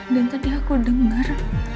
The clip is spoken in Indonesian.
dan tadi aku denger